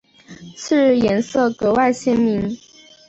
次日颜色格外鲜明。